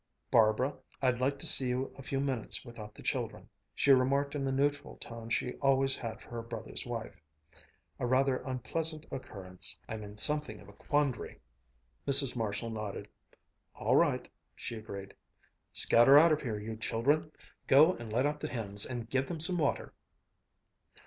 "Barbara, I'd like to see you a few minutes without the children," she remarked in the neutral tone she always had for her brother's wife. "A rather unpleasant occurrence I'm in something of a quandary." Mrs. Marshall nodded. "All right," she agreed. "Scatter out of here, you children! Go and let out the hens, and give them some water!"